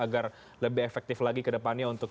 agar lebih efektif lagi kedepannya untuk